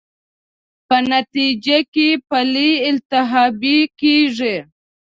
په نتېجه کې پلې التهابي کېږي.